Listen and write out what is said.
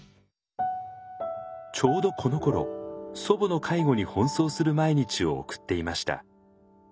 ちょうどこのころ祖母の介護に奔走する毎日を送っていました。